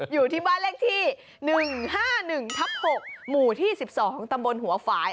อยู่ที่บ้านเลขที่๑๕๑ทับ๖หมู่ที่๑๒ตำบลหัวฝ่าย